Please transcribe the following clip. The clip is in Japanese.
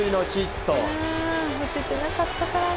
打ててなかったからな。